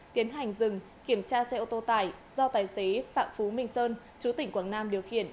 tiến hành dừng kiểm tra xe ô tô tải do tài xế phạm phú minh sơn chú tỉnh quảng nam điều khiển